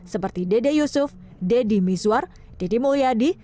seperti dede yusuf dedi miswar dedi mulyadi